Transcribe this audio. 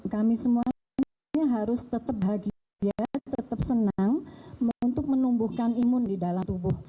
kami semuanya harus tetap bahagia tetap senang untuk menumbuhkan imun di dalam tubuh